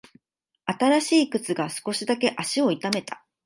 新しい靴が少しだけ足を痛めた。